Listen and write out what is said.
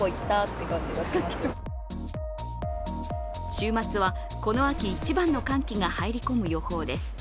週末はこの秋一番の寒気が入り込む予報です